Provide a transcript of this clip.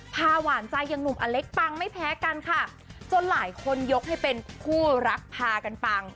หวานใจอย่างหนุ่มอเล็กปังไม่แพ้กันค่ะจนหลายคนยกให้เป็นคู่รักพากันปัง